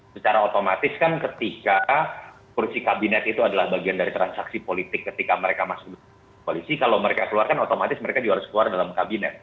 secara otomatis kan ketika kursi kabinet itu adalah bagian dari transaksi politik ketika mereka masuk koalisi kalau mereka keluar kan otomatis mereka juga harus keluar dalam kabinet